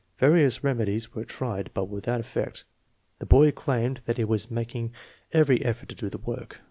Various remedies were tried, but without effect. The boy claimed that he was making every effort to do the work.